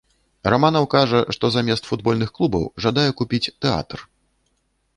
Раманаў кажа, што замест футбольных клубаў жадае купіць тэатр.